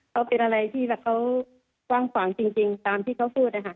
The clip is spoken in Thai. เขาเป็นอะไรที่แบบเขาว่างจริงตามที่เขาพูดนะคะ